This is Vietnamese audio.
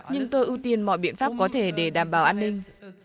nhưng tôi ưu tiên mọi biện pháp có thể để đảm bảo an ninh